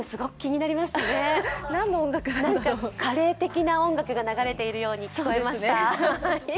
なんか、カレー的な音楽が流れているように聞こえました。